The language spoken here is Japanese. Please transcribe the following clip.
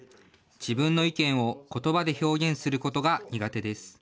自分の意見をことばで表現することが苦手です。